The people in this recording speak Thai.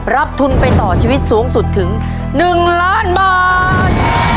รับทุนไปต่อชีวิตสูงสุดถึง๑ล้านบาท